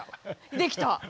できた。